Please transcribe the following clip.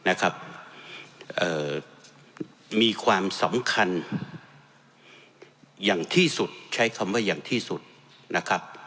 นะครับเอ่อมีความสำคัญอย่างที่สุดใช้คำว่าอย่างที่สุดนะครับ